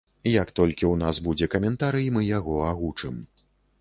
Як толькі ў нас будзе каментарый, мы яго агучым.